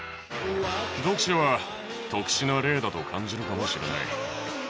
読者は、特殊な例だと感じるかもしれない。